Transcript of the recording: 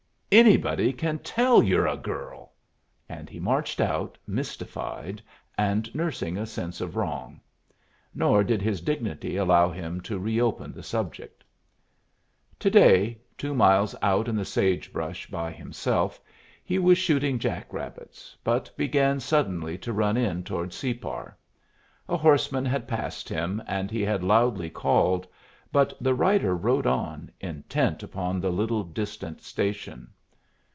"Anybody can tell you're a girl." And he marched out, mystified, and nursing a sense of wrong. Nor did his dignity allow him to reopen the subject. To day, two miles out in the sage brush by himself, he was shooting jack rabbits, but began suddenly to run in toward Separ. A horseman had passed him, and he had loudly called; but the rider rode on, intent upon the little distant station.